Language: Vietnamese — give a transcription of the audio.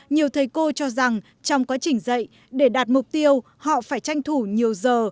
nhiều thầy cô cho rằng trong quá trình dạy để đạt mục tiêu họ phải tranh thủ nhiều giờ